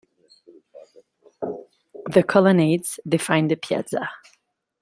The colonnades define the piazza.